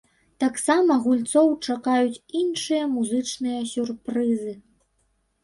Таксама гульцоў чакаюць іншыя музычныя сюрпрызы.